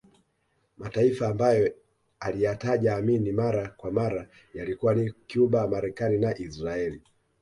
Mataifa ambayo aliyataja Amin mara kwa mara yalikuwa ni Cuba Marekani na Israeli